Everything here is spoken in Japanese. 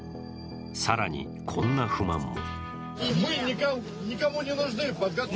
更にこんな不満も。